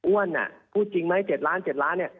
อ้วนพูดจริงไหม๗ล้าน๗ล้าน